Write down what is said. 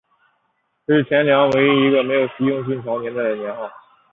这是前凉唯一一个没有袭用晋朝年号的年号。